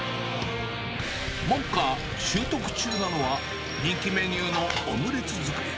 目下、習得中なのは、人気メニューのオムレツ作り。